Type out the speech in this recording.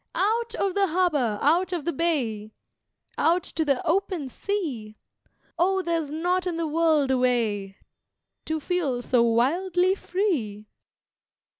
Out of the Harbour! out of the Bay! Out to the open sea! O there's not in the world a way To feel so wildly free!